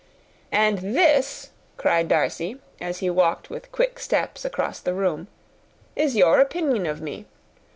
"And this," cried Darcy, as he walked with quick steps across the room, "is your opinion of me!